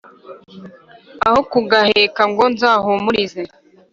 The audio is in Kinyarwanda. Aho kugaheka ngo ngahumurize